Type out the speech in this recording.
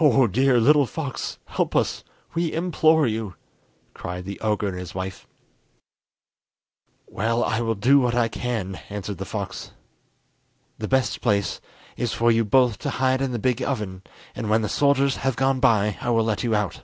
"Oh, dear little fox, help us, we implore you!" cried the ogre and his wife. "Well, I will do what I can," answered the fox. "The best place is for you both to hide in the big oven, and when the soldiers have gone by I will let you out."